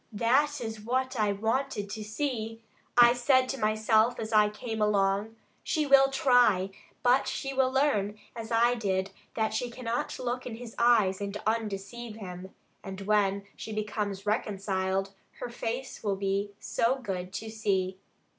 That is what I wanted to see. I said to myself as I came along, 'She will try, but she will learn, as I did, that she cannot look in his eyes and undeceive him. And when she becomes reconciled, her face will be so good to see.'